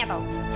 aku mau pergi